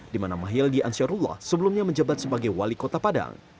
dimana mahyaldi ansarullah sebelumnya menjebat sebagai wali kota padang